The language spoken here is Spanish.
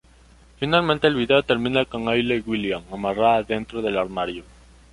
Finalmente, el vídeo termina con Hayley Williams amarrada dentro del armario.